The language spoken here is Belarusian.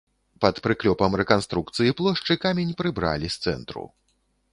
Пад прыклёпам рэканструкцыі плошчы камень прыбралі з цэнтру.